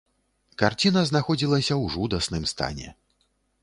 Карціна знаходзілася ў жудасным стане.